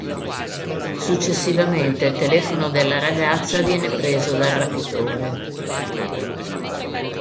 Successivamente il telefono della ragazza viene preso dal rapitore.